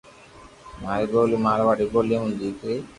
ماري ٻولي مارواڙي ٻولي مون نيڪري